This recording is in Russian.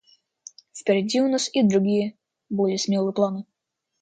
Впереди у нас и другие, более смелые планы.